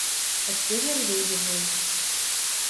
Ӹшкежӹ ӹӹрвезӹ ылеш.